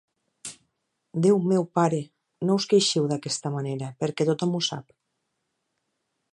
Déu meu, pare! No us queixeu d'aquesta manera, perquè tothom ho sap.